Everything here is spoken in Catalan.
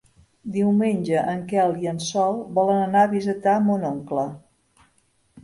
Diumenge en Quel i en Sol volen anar a visitar mon oncle.